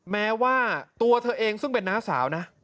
แม้ว่าตัวเธอเองซึ่งเป็นน้าสาวนะ